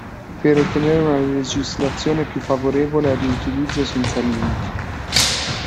Per ottenere una legislazione più favorevole al riutilizzo senza limiti.